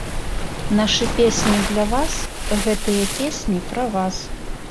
Нашы песні для вас, гэтыя песні пра вас!!!